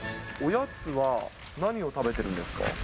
おやつは何を食べてるんですか。